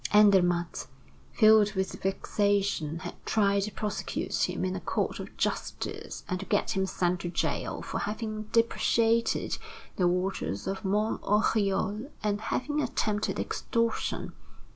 Andermatt, filled with vexation, had tried to prosecute him in a court of justice and to get him sent to jail for having depreciated the waters of Mont Oriol and having attempted extortion.